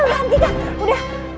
udah udah hantikan udah